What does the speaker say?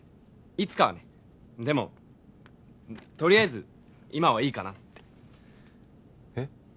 いつかはねでもとりあえず今はいいかなってえっ？